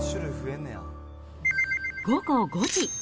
午後５時。